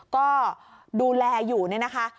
ก็ดูแลอยู่เนี่ยนะคะ